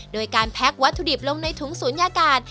โดยการแพ็ควัตถุดิบลงในถุงศูนยากาศ